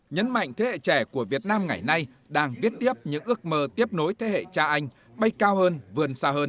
nhấn mạnh thế hệ trẻ của việt nam ngày nay đang viết tiếp những ước mơ tiếp nối thế hệ cha anh bay cao hơn vươn xa hơn